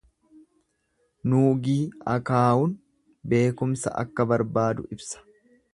Nuugii akaawun beekumsa akka barbaadu ibsa.